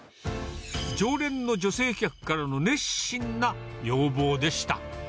常連の女性客からの熱心な要望でした。